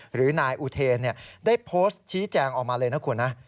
หรือนายอุเทนได้โพสต์ชี้แจงออกมาเลยนะคุณนะ